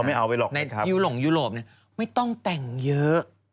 เราไม่เอาไปหรอกครับในยูหล่องยูโรปเนี่ยไม่ต้องแต่งเยอะ